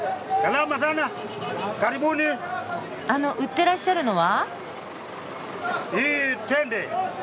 あの売ってらっしゃるのは？